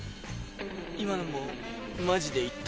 今のもマジで言ったの？